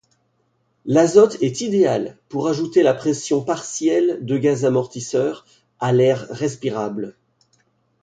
L'azote est idéal pour ajouter la pression partielle de gaz amortisseurs à l'air respirable.